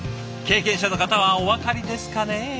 経験者の方はお分かりですかね？